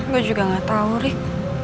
gue juga gak tau rick